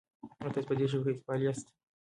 ایا تاسي په دې شبکه کې فعال یاست؟